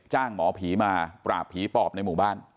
หมอผีมาปราบผีปอบในหมู่บ้าน